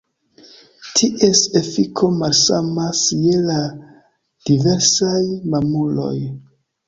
Ties efiko malsamas je la diversaj mamuloj.